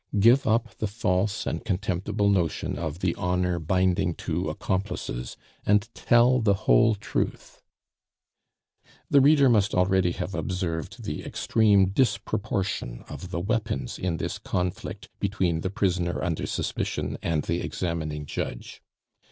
Give up the false and contemptible notion of the honor binding two accomplices, and tell the whole truth." The reader must already have observed the extreme disproportion of the weapons in this conflict between the prisoner under suspicion and the examining judge.